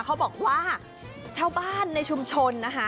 เขาบอกว่าเช้าบ้านในชุมชน